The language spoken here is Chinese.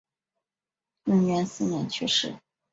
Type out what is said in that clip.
永元四年去世。